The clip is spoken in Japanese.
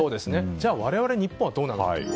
じゃあ我々日本はどうなのか。